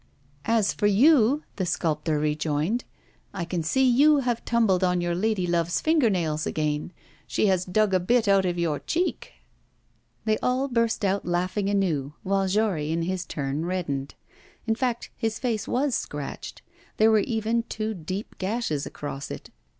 'As for you,' the sculptor rejoined, 'I can see you have tumbled on your lady love's finger nails again. She has dug a bit out of your cheek!' They all burst out laughing anew, while Jory, in his turn, reddened. In fact, his face was scratched: there were even two deep gashes across it.